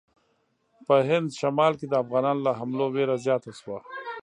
په هند شمال کې د افغانانو له حملو وېره زیاته شوه.